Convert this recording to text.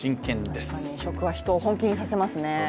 確かに食は人を本気にさせますね。